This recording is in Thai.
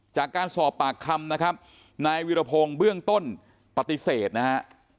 จากการสอบปากคำนะครับนายวิรพงศ์เบื้องต้นปฏิเสธนะฮะ